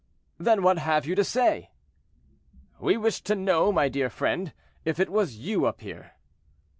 "Then what have you to say?" "We wished to know, my dear friend, if it was you up here."